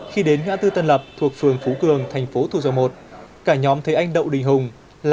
khi đến ngã tư tân lập thuộc phường phú cường tp thu dầu một cả nhóm thế anh đậu đình hùng